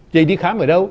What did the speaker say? vậy đi khám ở đâu